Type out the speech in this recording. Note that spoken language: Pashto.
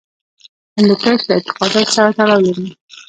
هندوکش له اعتقاداتو سره تړاو لري.